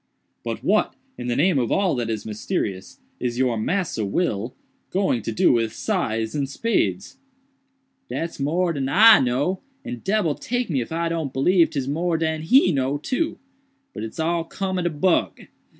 "But what, in the name of all that is mysterious, is your 'Massa Will' going to do with scythes and spades?" "Dat's more dan I know, and debbil take me if I don't b'lieve 'tis more dan he know, too. But it's all cum ob do bug."